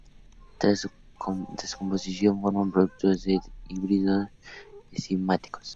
Tras su descomposición forman productos que son inhibidores enzimáticos.